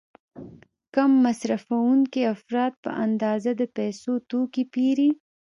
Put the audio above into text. کم مصرفوونکي افراد په اندازه د پیسو توکي پیري.